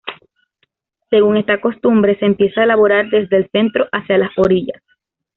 Según esta costumbre se empieza a elaborar desde el centro hacia las orillas.